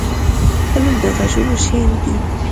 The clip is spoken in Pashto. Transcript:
فلم د غږونو شعر دی